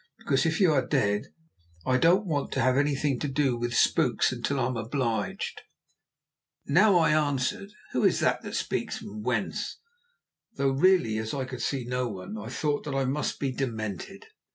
Because, if you are dead, I don't want to have anything to do with spooks until I am obliged." Now I answered, "Who is it that speaks, and whence?" though, really, as I could see no one, I thought that I must be demented.